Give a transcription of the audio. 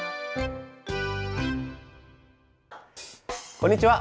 こんにちは。